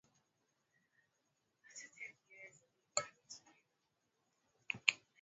lakini uchina uchumi wao umekuwa unakua kwa kasi